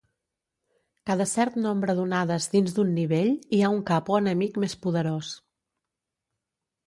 Cada cert nombre d'onades dins d'un nivell hi ha un cap o enemic més poderós.